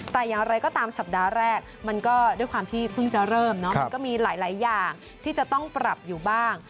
แต่อย่างไรก็ตามสัปดาห์แรกมันก็ด้วยความที่เพิ่งจะเริ่มเนาะมันก็มีหลายอย่างที่จะต้องปรับอยู่บ้าง